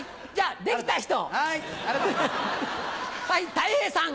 たい平さん！